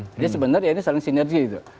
jadi sebenarnya ini saling sinergi itu